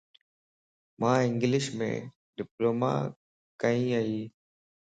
مان انگلشم ڊپلو ماڪين يَ